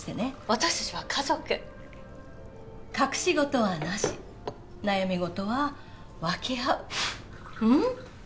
私達は家族隠し事はなし悩み事は分け合うふっうん？